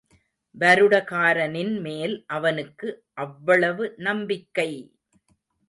வருடகாரனின்மேல் அவனுக்கு அவ்வளவு நம்பிக்கை!